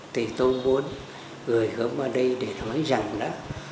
thì tôi muốn gửi gấm vào đây để nói rằng là